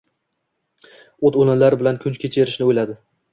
O’t-o‘lanlar bilan kun kechirishni o‘yladi.